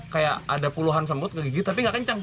kayak ada puluhan sembut kegigit tapi nggak kencang